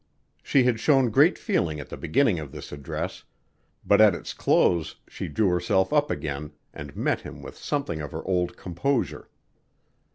She had shown great feeling at the beginning of this address, but at its close she drew herself up again and met him with something of her old composure.